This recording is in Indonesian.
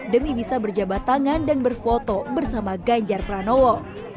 demi bisa berjabat tangan dan berfoto bersama ganjar pranowo